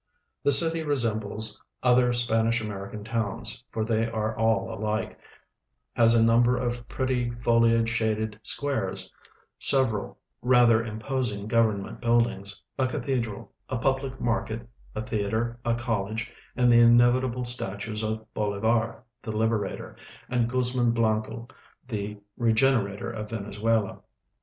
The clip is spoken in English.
The city resemhles other Spanish American towns, for they are all alike, has a number of jiretty foliage shaded squares, several rather imposing government buildings, a cathedral, a puldic market, a theater, a college, and the inevitable statues of Bolivar, the liberator, and Guzman Bianco, the regenerator of Venezuela.